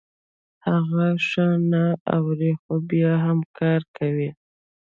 هغه ښه نه اوري خو بيا هم کار کوي.